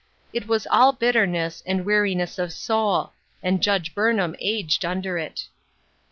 It was all bitterness, and weariness of soul ; and Judge Burnham aged under it.